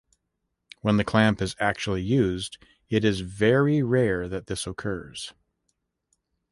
When the clamp is actually used, it is very rare that this occurs.